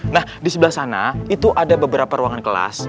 nah di sebelah sana itu ada beberapa ruangan kelas